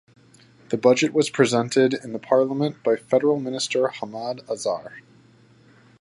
The budget was presented in the Parliament by the Federal Minister Hammad Azhar.